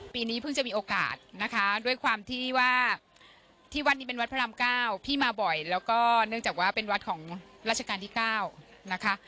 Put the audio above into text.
ปีนี้เพิ่งจะมีโอกาสนะคะด้วยความที่ว่าที่วัดนี้เป็นวัดพระรามเก้าพี่มาบ่อยแล้วก็เนื่องจากว่าเป็นวัดของราชการที่๙นะคะ